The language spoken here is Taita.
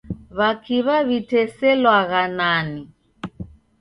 W'akiw'a w'iteselwagha nani?